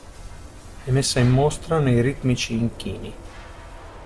È messa in mostra nei ritmici inchini.